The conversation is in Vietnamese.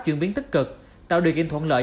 chuyển biến tích cực tạo được in thuận lợi